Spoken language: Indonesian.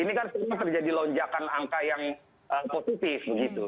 ini kan sekarang terjadi lonjakan angka yang positif begitu